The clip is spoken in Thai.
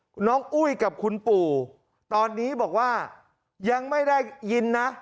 คุณน้องอุ้ยกับคุณปู่ตอนนี้บอกว่ายังไม่ได้ยินนะ